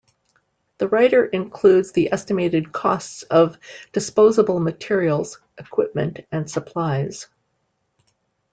The writer includes the estimated costs of disposable materials, equipment, and supplies.